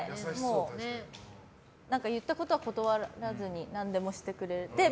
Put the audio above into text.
言ったことは断らずに何でもしてくれて。